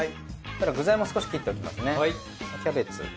具材も少し切っておきますね。